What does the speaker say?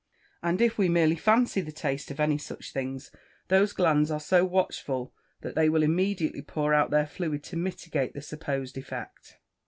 And if we merely fancy the taste of any such things, those glands are so watchful, that they will immediately pour out their fluid to mitigate the supposed effect.